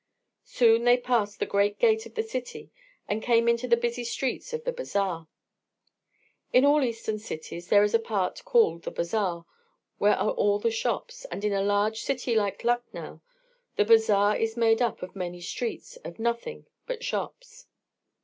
Soon they passed the great gate of the city and came into the busy streets of the Bazaar. In all Eastern cities there is a part called the Bazaar, where are all the shops; and in a large city like Lucknow the Bazaar is made up of many streets of nothing but shops.